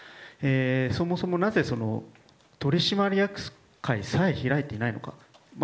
そもそも、なぜ取締役会さえ開いていないのか。